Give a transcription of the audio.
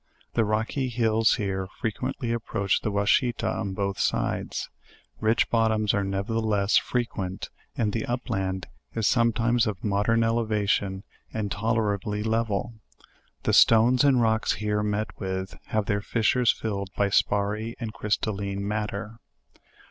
The rocky hills here frequently approach the Washita on both sides; rich bottoms are nevertheless, frequent, and the upland is sometimes of modern elevation and tolerably leveL The .stones and rocks here met with, have their fissures fill ed by sparry and crystal ine matter.